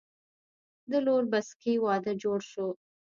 د لور بسکي وادۀ جوړ شو